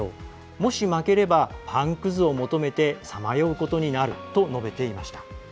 もし負ければ、パンくずを求めてさまようことになると述べていました。